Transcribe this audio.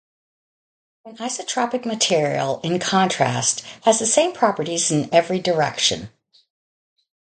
An isotropic material, in contrast, has the same properties in every direction.